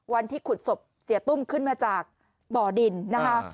วันที่ขุดศพเสียตุ้มขึ้นมาจากบ่อดินนะคะ